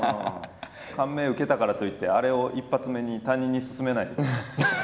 感銘受けたからといってあれを一発目に他人にすすめないでください。